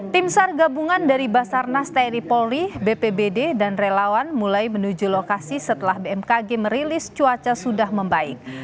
tim sar gabungan dari basarnas tni polri bpbd dan relawan mulai menuju lokasi setelah bmkg merilis cuaca sudah membaik